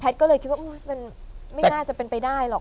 แพทย์ก็เลยคิดว่าไม่น่าจะเป็นไปได้หรอก